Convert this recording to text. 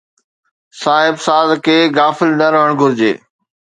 صاحب ساز کي غافل نه رهڻ گهرجي